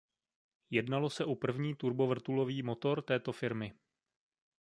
Jednalo se o první turbovrtulový motor této firmy.